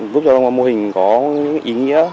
giúp cho mô hình có ý nghĩa